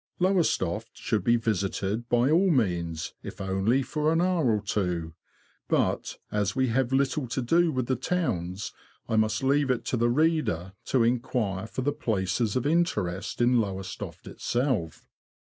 Lowestoft should be visited by all means, if only for an hour or two ; but, as we have little to do with the towns, I must leave it to the reader to inquire for the places of interest in Lowestoft itself.